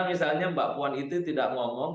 misalnya mbak puan itu tidak ngomong